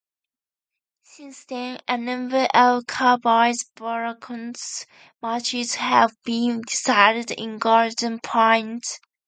Since then, a number of Cowboys-Broncos matches have been decided in Golden Point.